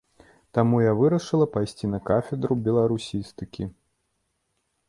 Таму я вырашыла пайсці на кафедру беларусістыкі.